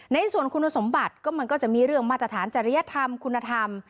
ในส่วนคุณสมบัติก็มันก็จะมีเรื่องมาตรฐานจริยธรรมคุณธรรม